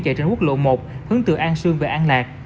chạy trên quốc lộ một hướng từ an sương về an lạc